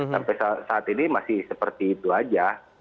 sampai saat ini masih seperti itu aja